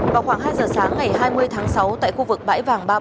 vào khoảng hai giờ sáng ngày hai mươi tháng sáu tại khu vực bãi vàng ba mươi một